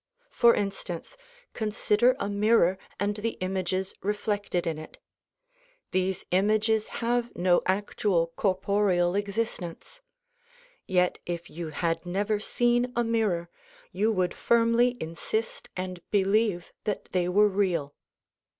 For instance, con sider a mirror and the images reflected in it. These images have no actual corporeal existence. Yet if you had never seen a mirror you would firmly insist and believe that they were real.